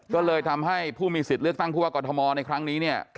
ก็เลยทำให้ผู้มีสิทธิ์เลือกตั้งผู้ว่ากรทมในครั้งนี้เนี่ย